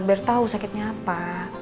biar tau sakitnya apa